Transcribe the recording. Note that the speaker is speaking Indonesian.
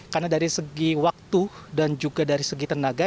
karena dari segi waktu dan juga dari segi tenaga